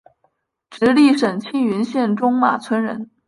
直隶省庆云县中马村人。